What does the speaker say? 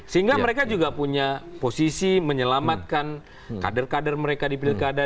sehingga mereka juga punya posisi menyelamatkan kader kader mereka di pilkada